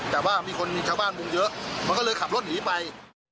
แต่ว่ามีคนชาวบ้านมุงเยอะมันก็เลยขับรถหนีไป